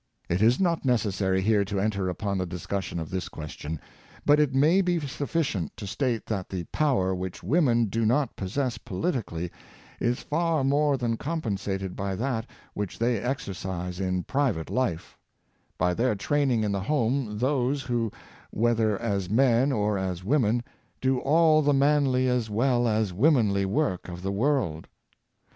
It is not necessary here to enter upon the discussion of this question. But it 118 ^'' Efifrafichisement'''^ of Women, may be sufficient to state that the power which women do not possess politically is far more than compensated by that which they exercise in private life — by their training in the home those who, whether as men or as women, do all the manly as well as womenly work of the world.